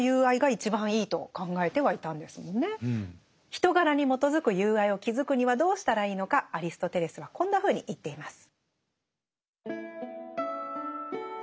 人柄に基づく友愛を築くにはどうしたらいいのかアリストテレスはこんなふうに言っています。